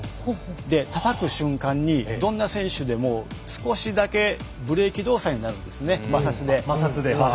たたく瞬間にどんな選手でも少しだけブレーキ動作になるんですね、摩擦で。